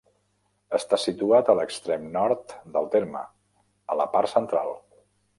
Està situat a l'extrem nord del terme, a la part central.